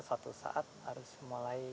suatu saat harus mulai